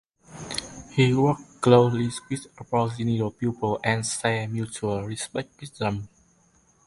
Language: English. He worked closely with Aboriginal people and shared mutual respect with them.